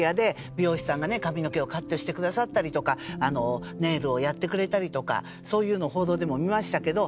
美容師さんがね髪の毛をカットしてくださったりとかネイルをやってくれたりとかそういうの報道でも見ましたけど。